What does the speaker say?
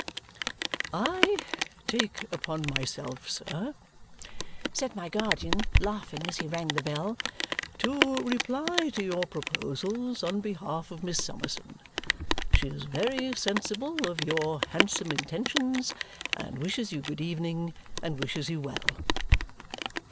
"I take upon myself, sir," said my guardian, laughing as he rang the bell, "to reply to your proposals on behalf of Miss Summerson. She is very sensible of your handsome intentions, and wishes you good evening, and wishes you well."